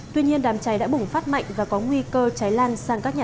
tuy nhiên đám cháy đã bùng phát mạnh và có nguy cơ cháy lan sang các nhà